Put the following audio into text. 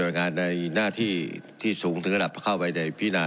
โดยงานในหน้าที่ที่สูงถึงระดับเข้าไปในพินา